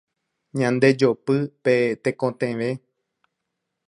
Ñandejopy pe tekotevẽ.